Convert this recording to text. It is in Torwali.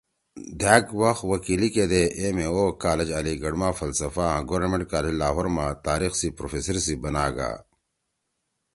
دھأک وخ وکیلی کیِدا ایم اے او (M.A.O) کالج علی گڑھ ما فلسفہ آں گورنمنٹ کالج لاہور ما تاریخ سی پروفیسری سی بناگا